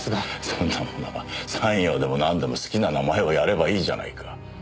そんなものは参与でもなんでも好きな名前をやればいいじゃないか。